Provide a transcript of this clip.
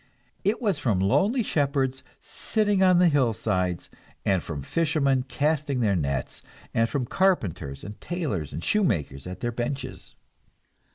It was from lonely shepherds sitting on the hillsides, and from fishermen casting their nets, and from carpenters and tailors and shoemakers at their benches.